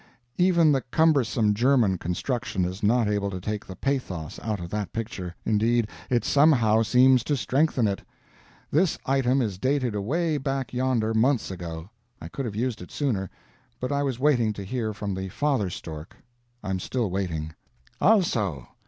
Even the cumbersome German construction is not able to take the pathos out of that picture indeed, it somehow seems to strengthen it. This item is dated away back yonder months ago. I could have used it sooner, but I was waiting to hear from the Father stork. I am still waiting. "ALSO!"